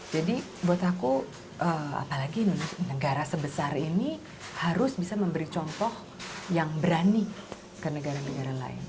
jadi buat aku apalagi negara sebesar ini harus bisa memberi contoh yang berani ke negara negara lain